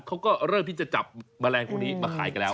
เขาก็เริ่มที่จะจับแมลงพวกนี้มาขายกันแล้ว